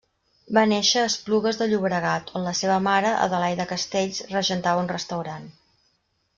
Va néixer a Esplugues de Llobregat, on la seva mare, Adelaida Castells, regentava un restaurant.